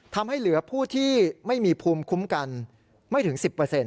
ทำให้เหลือผู้ที่ไม่มีภูมิคุ้มกันไม่ถึง๑๐